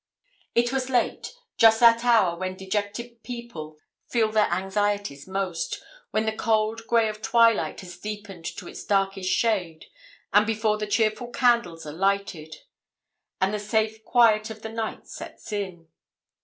It was late just that hour when dejected people feel their anxieties most when the cold grey of twilight has deepened to its darkest shade, and before the cheerful candles are lighted, and the safe quiet of the night sets in.